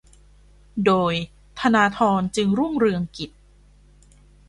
โดยธนาธร จึงรุ่งเรืองกิจ